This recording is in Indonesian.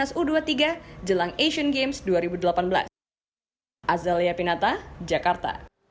di sini ada timnas u dua puluh tiga jelang asian games dua ribu delapan belas